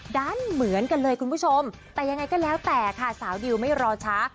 ดันเหมือนกันเลยคุณผู้ชมแต่ยังไงก็แล้วแต่ค่ะสาวดิวไม่รอช้า